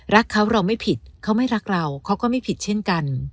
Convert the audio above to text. รักเขาเราไม่ผิดเขาไม่รักเราเขาก็ไม่ผิดเช่นกัน